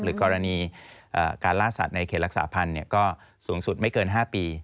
กรณีการล่าสัตว์ในเขตรักษาพันธุ์ก็สูงสุดไม่เกิน๕ปี